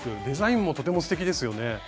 デザインもとてもすてきですよね。